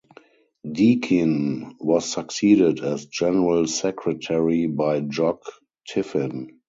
Deakin was succeeded as general secretary by Jock Tiffin.